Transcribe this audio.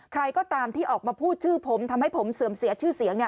ใครก็ตามที่ออกมาพูดชื่อผมทำให้ผมเสื่อมเสียชื่อเสียงเนี่ย